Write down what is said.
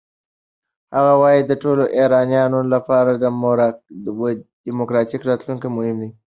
هغه وايي د ټولو ایرانیانو لپاره دموکراتیک راتلونکی مهم دی.